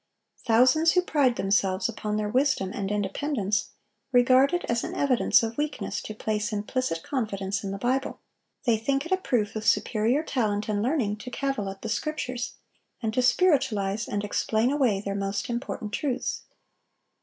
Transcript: Thousands who pride themselves upon their wisdom and independence, regard it an evidence of weakness to place implicit confidence in the Bible; they think it a proof of superior talent and learning to cavil at the Scriptures, and to spiritualize and explain away their most important truths.